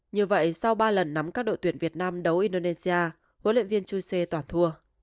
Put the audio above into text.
như vậy sau ba lần nắm các đội tuyển việt nam đấu indonesia hỗ luyện viên chuse toàn thua